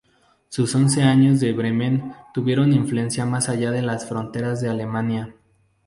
Sus once años en Bremen tuvieron influencia más allá de las fronteras de Alemania.